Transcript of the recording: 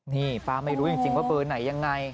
นี่ฟ้าไม่รู้จริงว่าเบอร์ไหนยังไง